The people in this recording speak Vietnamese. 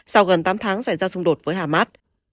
sau gần tám tháng xảy ra xung đột với hamas